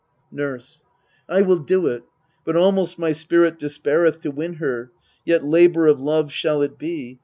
Nurse. I will do it ; but almost my spirit despaireth To win her ; yet labour of love shall it be.